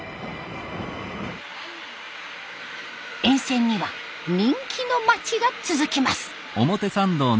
沿線には人気の街が続きます。